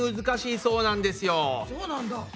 そうなんだ。